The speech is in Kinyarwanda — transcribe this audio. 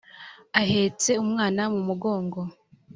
ahetse umwana mu mugongo